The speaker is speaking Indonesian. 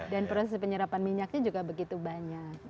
proses penyerapan minyaknya juga begitu banyak